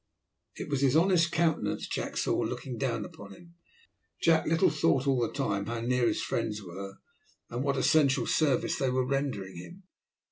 It was his honest countenance Jack saw looking down upon him. Jack little thought all the time how near his friends were, and what essential service they were rendering him.